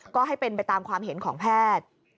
ก็ให้เป็นไปตามความเห็นของแพทย์